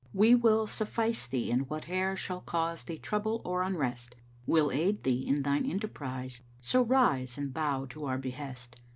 We will suffice thee in whate'er * Shall cause thee trouble or unrest; We'll aid thee in thine enterprise * So rise and bow to our behest."